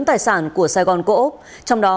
tài sản của sài gòn cổ úp trong đó